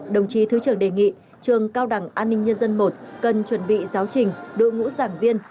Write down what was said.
đồng chí thứ trưởng đề nghị trường cao đẳng an ninh nhân dân i cần chuẩn bị giáo trình đội ngũ giảng viên